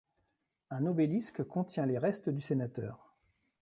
Un obélisque contient les restes du sénateur.